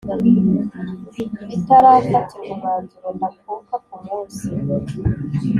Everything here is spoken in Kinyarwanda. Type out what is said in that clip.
bitarafatirwa umwanzuro ndakuka ku munsi